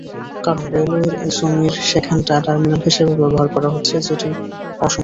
কারণ, রেলওয়ের জমির যেখানটা টার্মিনাল হিসেবে ব্যবহার করা হচ্ছে, সেটি অসমতল।